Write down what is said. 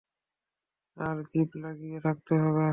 আর zip লাগিয়ে থাকতে হবে।